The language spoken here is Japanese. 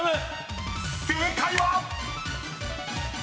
［正解は⁉］